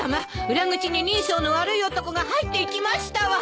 裏口に人相の悪い男が入っていきましたわ。